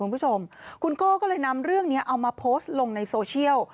คุณผู้ชมคุณโก้ก็เลยนำเรื่องนี้เอามาโพสต์ลงในโซเชียล